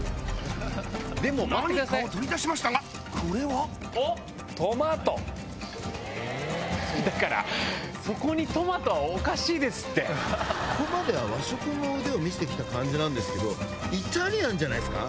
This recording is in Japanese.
何かを取り出しましたがこれはトマト！えだからここまでは和食の腕を見せてきた感じなんですけどイタリアンじゃないっすか？